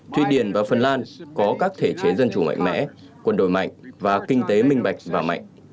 thụy điển và phần lan có các thể chế dân chủ mạnh mẽ quân đội mạnh và kinh tế minh bạch và mạnh